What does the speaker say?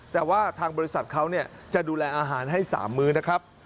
แต่ว่าทางบริษัทเขาจะดูแลอาหารให้๓มื้อนะครับ